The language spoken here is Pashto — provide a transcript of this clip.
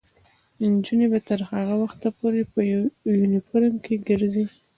نجونې به تر هغه وخته پورې په یونیفورم کې ګرځي.